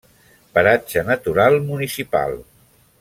Paratge Natural Municipal.